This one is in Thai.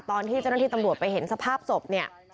ตอนที่เจ้าหน้าที่ตำรวจไปเห็นสภาพศพเนี่ย